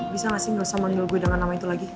bisa gak sih gak usah manggil gue dengan nama itu lagi